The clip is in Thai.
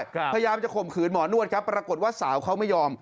พยายามจะข่มขืนหมอนวดครับปรากฏว่าสาวเขาไม่ยอม